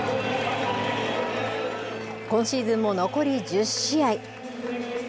今シーズンも残り１０試合。